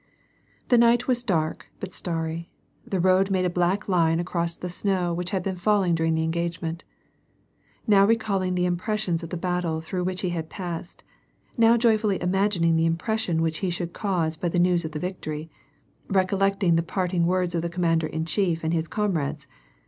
The night was dark, but starry ; the road made a black line across the snow which had been falling during the engagement. Now recalling the impressions of the battle through which ho had passed, now joyfully imagining the impression which he should cause by the news of the victory, recollecting the part ing words of the commander in chief and his comrades.